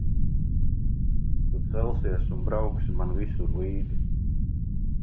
Tu celsies un brauksi man visur līdzi.